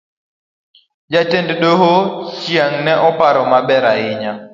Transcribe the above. Jatend doho, chieng' no aparo maber ahinya.